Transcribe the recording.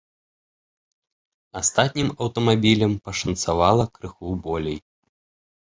Астатнім аўтамабілям пашанцавала крыху болей.